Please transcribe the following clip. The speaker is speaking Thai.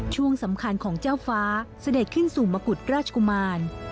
ช่วงสำคัญของเจ้าฟ้าเสด็จขึ้นสู่มกุฎราชกุมาร